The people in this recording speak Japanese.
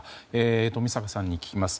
冨坂さんに聞きます。